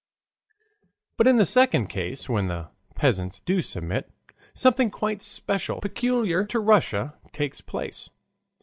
But in the second case, when the peasants do submit, something quite special, peculiar to Russia, takes place.